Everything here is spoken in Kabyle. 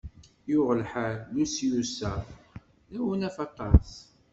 Yuɣ lḥal Lusyus-a d awnaf aṭas.